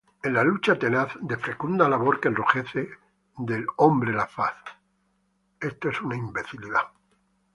En la lucha tenaz, de fecunda labor que enrojece del hombre la faz